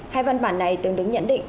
hai văn bản này tương đứng nhận định